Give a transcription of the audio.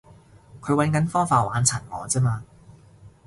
佢搵緊方法玩殘我咋嘛